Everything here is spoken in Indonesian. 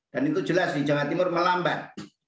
dan itu jelas di jawa timur melambat